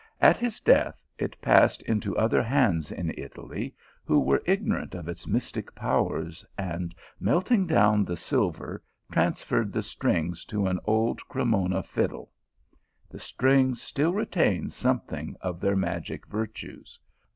At his death it passed into other hands in Italy, who were ignorant of its mystic powers, and melting down the silver, transferred the strings to an old Cremona fiddle, The strings still retain something of their magic vir tues.